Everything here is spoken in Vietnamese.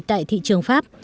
tại thị trường pháp